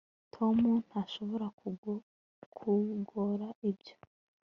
tom ntashobora gukora ibyo